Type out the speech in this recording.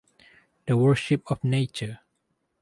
The Worship of Nature.